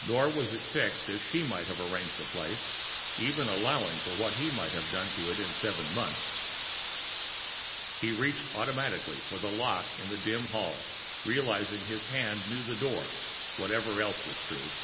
Nor was it fixed as she might have arranged a place, even allowing for what he might have done to it in seven months. He reached automatically for the lock in the dim hall, and realized his hands knew the door, whatever else was true.